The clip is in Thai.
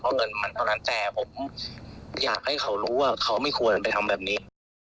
เพราะเงินมันตอนนั้นแต่ผมอยากให้เขารู้ว่าเขาไม่ควรไปทำแบบนี้นะครับ